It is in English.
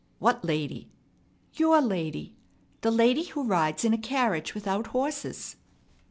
"What lady?" "Your lady. The lady who rides in a carriage without horses."